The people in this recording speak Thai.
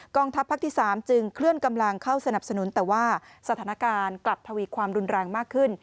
ทัพภาคที่๓จึงเคลื่อนกำลังเข้าสนับสนุนแต่ว่าสถานการณ์กลับทวีความรุนแรงมากขึ้น